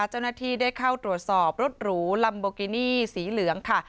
เจ้าหน้าที่ได้เข้าตรวจสอบรถหรูลัมโบกินี่สีเหลืองค่ะ